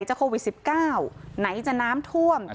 โควิด๑๙ไหนจะน้ำท่วม